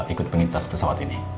ikut penyintas pesawat ini